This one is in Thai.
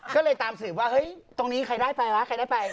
ก็เลยตามสืบว่าเฮ้ยตรงนี้ใครได้ไปวะใครได้ไป